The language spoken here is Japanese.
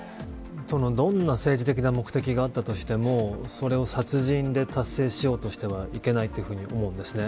どんな政治的な目的があったとしてもそれを殺人で達成しようとしてはいけないというふうに思うんです。